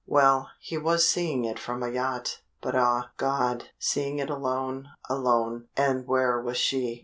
Well, he was seeing it from a yacht, but ah, God! seeing it alone alone. And where was she?